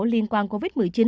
liên quan covid một mươi chín